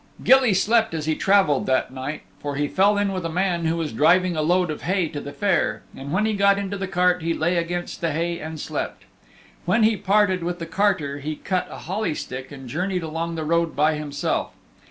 Gilly slept as he traveled that night, for he fell in with a man who was driving a load of hay to the fair, and when he got into the cart he lay against the hay and slept. When he parted with the carter he cut a holly stick and journeyed along the road by himself.